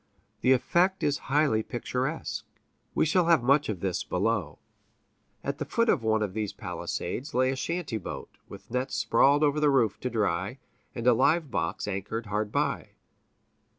The effect is highly picturesque. We shall have much of this below. At the foot of one of these palisades lay a shanty boat, with nets sprawled over the roof to dry, and a live box anchored hard by.